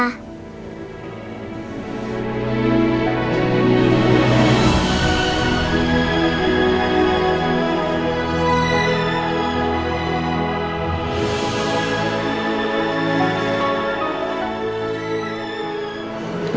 aku juga gak mau marah sama papa